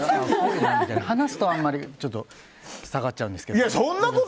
話すと、あんまり下がっちゃうんですけど。